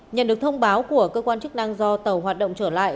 nhận được thông báo của cơ quan chức năng do tàu hoạt động trở lại